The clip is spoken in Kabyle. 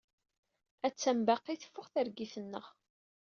Attan baqi teffeɣ targit-nneɣ!